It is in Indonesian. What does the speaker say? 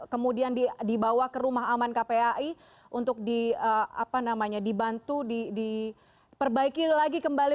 kemudian dibawa ke rumah aman kpai untuk dibantu diperbaiki lagi kembali